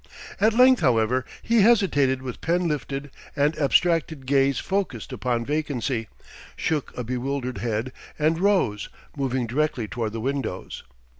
At length, however, he hesitated with pen lifted and abstracted gaze focussed upon vacancy, shook a bewildered head, and rose, moving directly toward the windows.